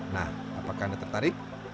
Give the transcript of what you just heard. nah apakah anda tertarik